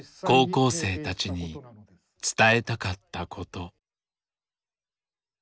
高校生たちに伝えたかったこと。